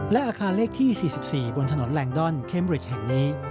และอาคารเลขที่๔๔บนถนนแลนดอนเคมริดแห่งนี้